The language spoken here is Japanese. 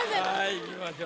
いきましょう。